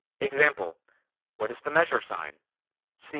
Example: What is the measure sign?